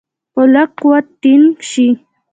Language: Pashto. په لږ قوت ټینګ شي.